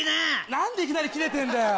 何でいきなりキレてんだよ。